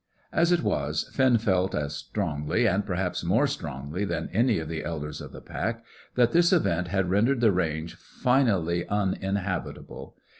As it was, Finn felt as strongly, and perhaps more strongly than any of the elders of the pack, that this event had rendered the range finally uninhabitable.